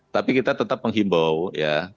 tapi kita tetap menghimbau ya